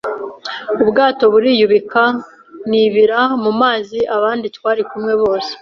ubwato buriyubika nibira mu mazi abandi twari kumwe bose